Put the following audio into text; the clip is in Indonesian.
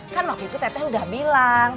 kan waktu itu saya teh udah bilang